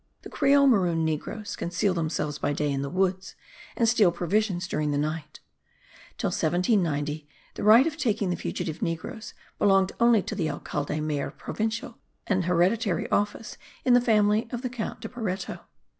The creole maroon negroes conceal themselves by day in the woods and steal provisions during the night. Till 1790, the right of taking the fugitive negroes belonged only to the Alcalde mayor provincial, an hereditary office in the family of the Count de Bareto.